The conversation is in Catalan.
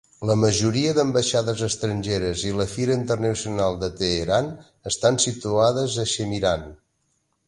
La majoria d'ambaixades estrangeres i la Fira Internacional de Teheran estan situades a Shemiran.